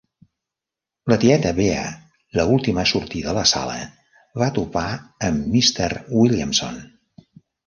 La tieta Bea, l'última a sortir de la sala, va topar amb Mr. Williamson.